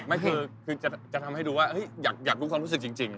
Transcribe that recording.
ไม่คือคือจะทำให้ดูว่าอยากทุกคนรู้สึกจริง